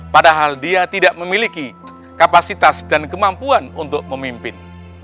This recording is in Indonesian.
padahal dia tidak memiliki kapasitas dan kemampuan untuk memimpin